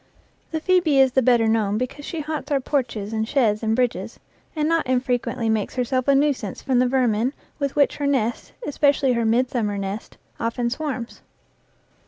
The phoebe is the better known because she haunts our porches and sheds and bridges, and not infrequently makes herself a nuisance from the vermin with which her nest, especially her midsummer nest, often swarms.